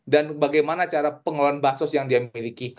dan bagaimana cara pengelolaan bansos yang dia miliki